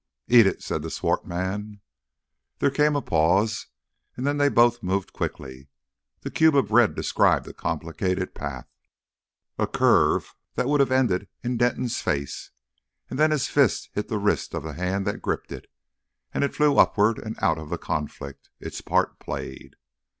"Eat it," said the swart man. There came a pause, and then they both moved quickly. The cube of bread described a complicated path, a curve that would have ended in Denton's face; and then his fist hit the wrist of the hand that gripped it, and it flew upward, and out of the conflict its part played.